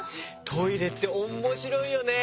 トイレっておもしろいよね。